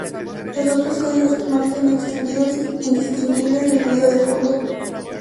Los otros códigos permanecen extendidos, indistinguibles del ruido de fondo.